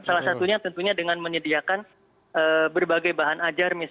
salah satunya tentunya dengan menyediakan berbagai bahan ajar misalkan yang kepentingan